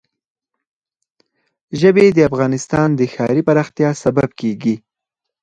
ژبې د افغانستان د ښاري پراختیا سبب کېږي.